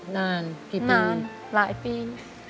นานพี่ปีนนานหลายปี